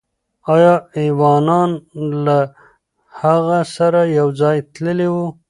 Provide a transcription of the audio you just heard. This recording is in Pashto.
آیا ایوانان له هغه سره یو ځای تللي وو؟